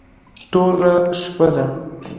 توره شپه ده .